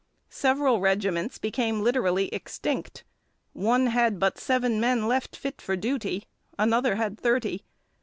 "Several regiments became literally extinct. One had but seven men left fit for duty; another had thirty.